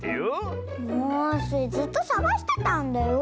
もうスイずっとさがしてたんだよ！